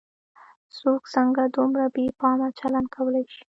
څوک څنګه دومره بې پامه چلن کولای شي.